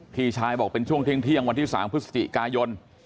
พี่ชายบอกเป็นช่วงเที่ยงวันที่๓พฤศจิกายน